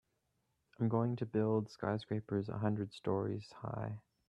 I'm going to build skyscrapers a hundred stories high.